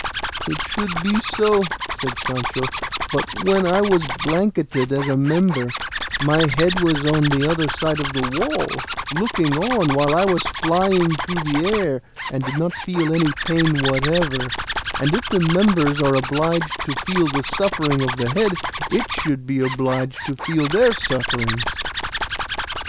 "It should be so," said Sancho; "but when I was blanketed as a member, my head was on the other side of the wall, looking on while I was flying through the air, and did not feel any pain whatever; and if the members are obliged to feel the suffering of the head, it should be obliged to feel their sufferings."